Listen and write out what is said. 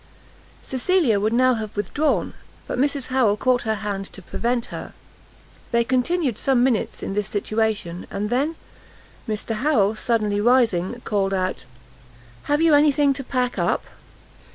Cecilia would now have withdrawn, but Mrs Harrel caught her hand to prevent her. They continued some minutes in this situation, and then Mr Harrel, suddenly rising, called out "Have you any thing to pack up?"